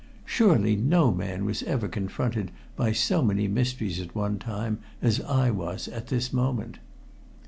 Surely no man was ever confronted by so many mysteries at one time as I was at this moment.